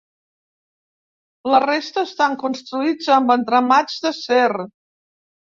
La resta estan construïts amb entramats d'acer.